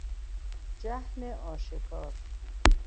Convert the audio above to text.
جهل آشکار